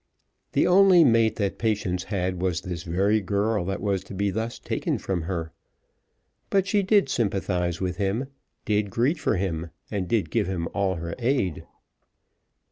The only mate that Patience had was this very girl that was to be thus taken from her. But she did sympathise with him, did greet for him, did give him all her aid.